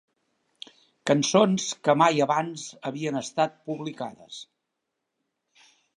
Cançons que mai abans havien estat publicades.